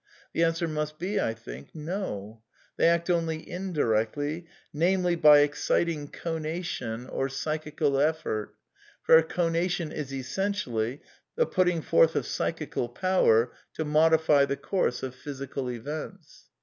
the answer must be, I think. No; they act only indimstly, namely, by exciting conation or p^chical effort, for conation is, essentially, the putting forth of p^chical power to modi^ the course of physi cal events.''